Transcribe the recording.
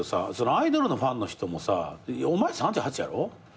アイドルのファンの人もさお前３８やろ？